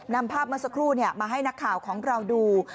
นำภาพเมื่อสักครู่มาให้นักข่าวของเราดู